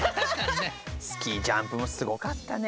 スキージャンプもすごかったね。